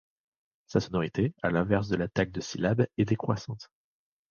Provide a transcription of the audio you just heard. Sa sonorité, à l'inverse de l'attaque de syllabe, est décroissante.